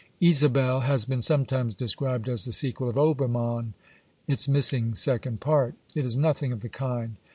Ixxvi BIOGRAPHICAL AND Isabelle has been sometimes described as the sequel of Obermann, its missing second part. It is nothing of the kind.